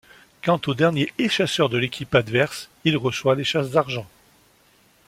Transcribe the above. Quant au dernier échasseur de l'équipe adverse, il reçoit l'échasse d'argent.